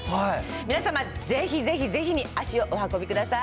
皆様、ぜひぜひぜひに、足をお運びください。